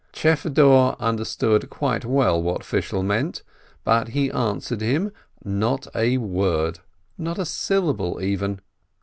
'Chfedor understood quite well what Fishel meant, but he answered him not a word, not a syllable even.